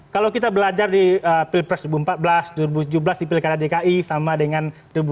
kalau kita belajar di pilpres dua ribu empat belas dua ribu tujuh belas di pilkada dki sama dengan dua ribu delapan belas